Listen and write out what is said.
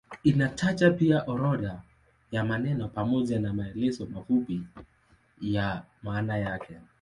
Inataja pia orodha ya maneno pamoja na maelezo mafupi ya maana yake.